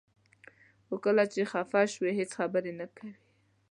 خو کله چې خفه شي هیڅ خبرې نه کوي.